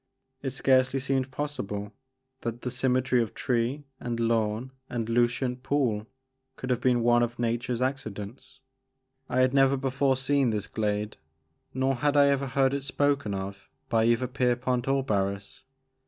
It scarcely seemed possible that the symmetry of tree and lawn and lucent pool could have been one of nature's accidents. I had never before seen this glade nor had I ever heard it spoken of by either Pierpont or Barris.